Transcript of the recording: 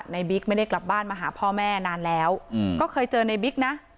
บิ๊กไม่ได้กลับบ้านมาหาพ่อแม่นานแล้วก็เคยเจอในบิ๊กนะ